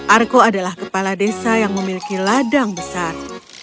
arko adalah kepala desa yang memiliki ladang besar